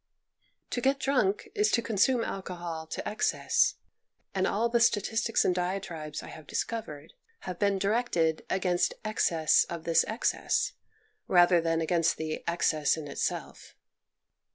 To get drunk is to consume alcohol to excess, and all the statistics and diatribes I have discovered have been directed against excess of this excess, rather than against the excess in itself.